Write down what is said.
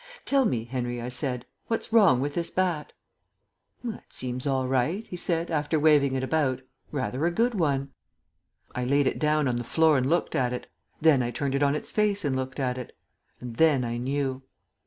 "Tell me, Henry," I said, "what's wrong with this bat?" "It seems all right," he said, after waving it about. "Rather a good one." I laid it down on the floor and looked at it. Then I turned it on its face and looked at it. And then I knew.